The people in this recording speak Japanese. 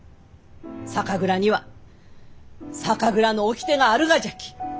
酒蔵には酒蔵の掟があるがじゃき。